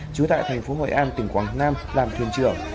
trú tại thành phố hội an tỉnh quảng nam làm thuyền trưởng